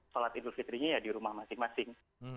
sholat idul fitrinya ya di rumah masing masing